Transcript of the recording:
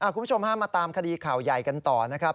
คุณผู้ชมฮะมาตามคดีข่าวใหญ่กันต่อนะครับ